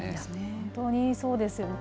本当にそうですよね。